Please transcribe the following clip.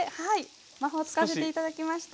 魔法使わせて頂きましたはい。